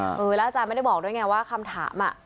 แล้วอาจารย์ไม่ได้บอกด้วยไงว่าคำถาม